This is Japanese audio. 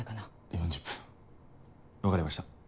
４０分分かりました。